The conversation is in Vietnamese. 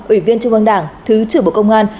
ủy viên trung ương đảng thứ trưởng bộ công an